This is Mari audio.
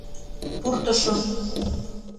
Пуртышым.